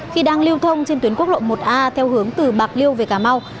khi đang lưu thông trên tuyến quốc lộ một a theo hướng từ bạc liêu về cà mau